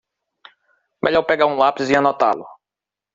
Melhor pegar um lápis e anotá-lo.